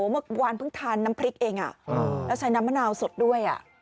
เมื่อวานเพิ่งทานน้ำพริกเองแล้วใช้น้ำมะนาวสดด้วย